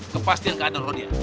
kepastian keadungan dia